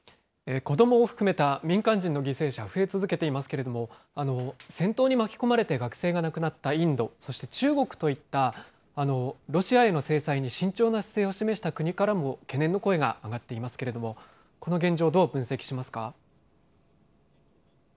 子どもを含めた民間人の犠牲者、増え続けていますけれども、戦闘に巻き込まれて学生が亡くなったインド、そして中国といった、ロシアへの制裁に慎重な姿勢を示した国からも懸念の声が上がっていますけれども、この現状、どう分析しますか。